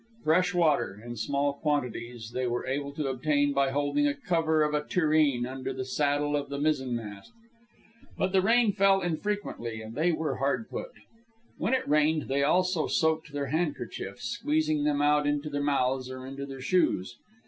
Fresh water, in small quantities, they were able to obtain by holding a cover of a tureen under the saddle of the mizzenmast. But the rain fell infrequently, and they were hard put. When it rained, they also soaked their handkerchiefs, squeezing them out into their mouths or into their shoes.